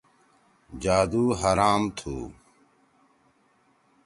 جادُو حرام تُھو۔